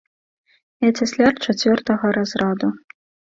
Я цясляр чацвёртага разраду.